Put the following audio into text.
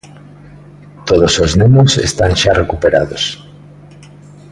Todos os nenos están xa recuperados.